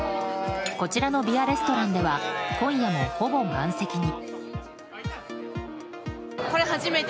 こちらのビアレストランでは今夜も、ほぼ満席に。